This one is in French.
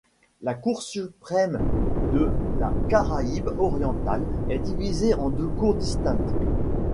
La cour suprême de la Caraïbe orientale est divisée en deux cours distinctes.